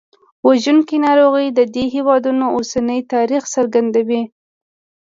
وژونکي ناروغۍ د دې هېوادونو اوسني تاریخ څرګندوي.